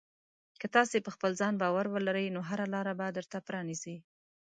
که تاسې په خپل ځان باور ولرئ، نو هره لاره به درته پرانیزي.